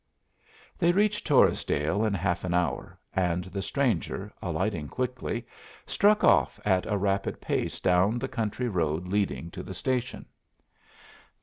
They reached Torresdale in half an hour, and the stranger, alighting quickly, struck off at a rapid pace down the country road leading to the station.